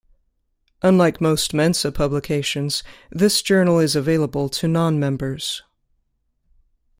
Unlike most Mensa publications, this journal is available to non-members.